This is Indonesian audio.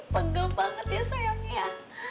pegel banget ya sayangnya